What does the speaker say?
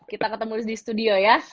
kita ketemu di studio ya